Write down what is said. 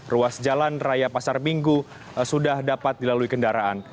ruas jalan raya pasar minggu sudah dapat dilalui kendaraan